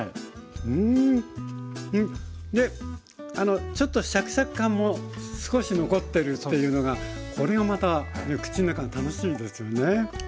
でちょっとシャキシャキ感も少し残ってるっていうのがこれがまた口の中が楽しいですよね。